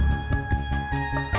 cari apa mak